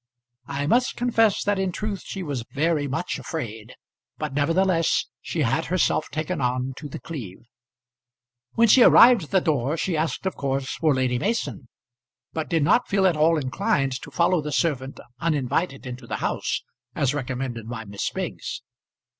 I must confess that in truth she was very much afraid, but nevertheless she had herself taken on to The Cleeve. When she arrived at the door, she asked of course for Lady Mason, but did not feel at all inclined to follow the servant uninvited into the house as recommended by Miss Biggs.